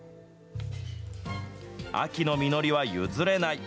秋の実りは譲れない。